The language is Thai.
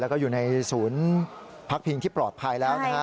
แล้วก็อยู่ในสูญพักพิงที่ปลอดภัยแล้ว